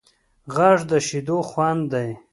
غږ د شیدو خوند دی